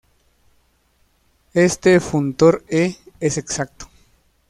Este funtor 'E" es exacto.